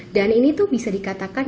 dan ini tuh bisa dikatakan